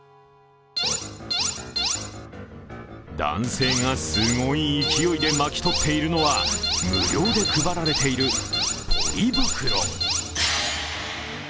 男性がすごい勢いで巻き取っているのは無料で配られているポリ袋。